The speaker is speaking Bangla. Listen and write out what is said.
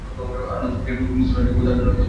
আনন্দমার্গের মূল নীতি হলো যুগপৎ আত্মোন্নতি ও জনসেবা।